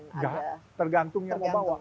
nggak tergantung yang mau bawa